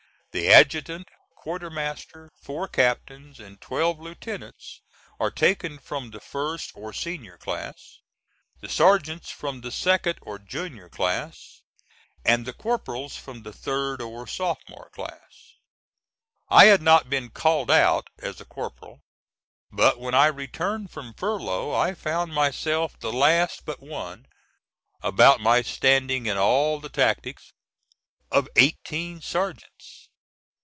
The adjutant, quartermaster, four captains and twelve lieutenants are taken from the first, or Senior class; the sergeants from the second, or junior class; and the corporals from the third, or Sophomore class. I had not been "called out" as a corporal, but when I returned from furlough I found myself the last but one about my standing in all the tactics of eighteen sergeants.